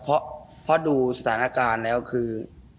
เพราะดูสถานการณ์แล้วคือ